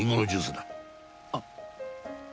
あっ。